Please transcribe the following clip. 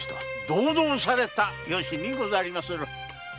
同道された由にござりまする。